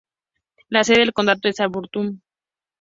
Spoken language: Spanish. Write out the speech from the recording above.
La sede del condado es Auburn.